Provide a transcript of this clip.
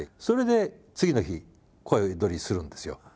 それで次の日声録りするんですよ。